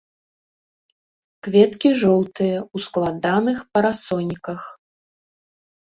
Кветкі жоўтыя, у складаных парасоніках.